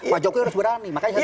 pak jokowi harus berani